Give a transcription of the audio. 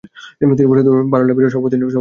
তিনি ফরিদপুর বার লাইব্রেরীর সভাপতি নির্বাচিত হন।